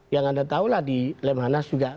yang anda tahulah di lemhanas juga